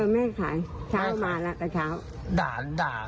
ไม่ให้ขายแต่เช้ามาแล้ว